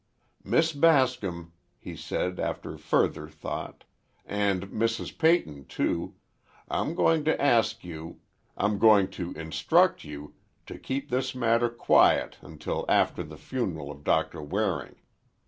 "Miss Bascom," he said, after further thought, "and Mrs. Peyton, too, I'm going to ask you—I'm going to instruct you to keep this matter quiet until after the funeral of Doctor Waring.